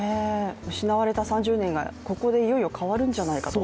失われた３０年がここでいよいよ変わるんじゃないかと。